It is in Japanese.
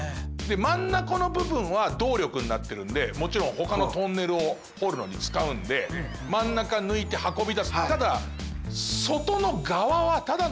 真ん中の部分は動力になってるんでもちろんほかのトンネルを掘るのに使うんであはいはい。